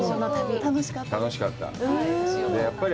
楽しかったです。